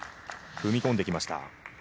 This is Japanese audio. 踏み込んできました。